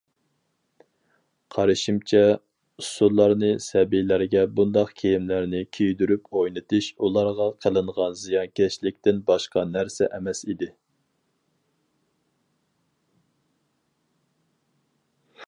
قارىشىمچە، ئۇسسۇللارنى سەبىيلەرگە بۇنداق كىيىملەرنى كىيدۈرۈپ ئوينىتىش ئۇلارغا قىلىنغان زىيانكەشلىكتىن باشقا نەرسە ئەمەس ئىدى.